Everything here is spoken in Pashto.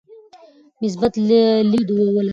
مثبت لید ولرئ.